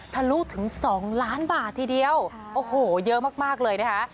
ทะลุถึง๒ล้านบาททีเดียวโอ้โหเยอะมากเลยนะคะ